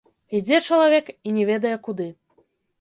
Ідзе чалавек і не ведае куды.